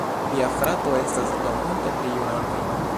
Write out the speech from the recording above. Via frato estas do multe pli juna ol vi.